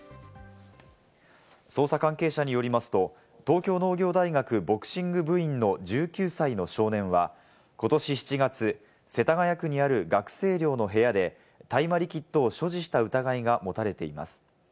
捜査関係者によりますと、東京農業大学ボクシング部員の１９歳の少年はことし７月、世田谷区にある学生寮の部屋で大麻リキッドを所持した疑いが持たれています。